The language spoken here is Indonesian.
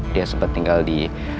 dia sempet tinggal di